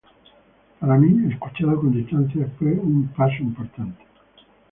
Para mí, escuchado con distancia, fue un paso importante.